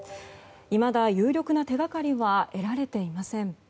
いまだ有力な手掛かりは得られていません。